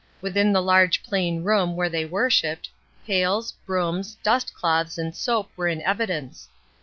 Within the large plain room where they worshipped, pails, brooms, dust cloths, and soap were in evidence.